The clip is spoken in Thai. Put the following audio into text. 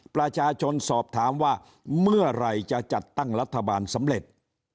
ประชาชนสอบถามว่าเมื่อไหร่จะจัดตั้งรัฐบาลสำเร็จ